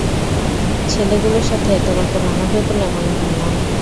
ছেলেগুলোর সাথে তোমাকে মানাবে বলে মনে হয় না।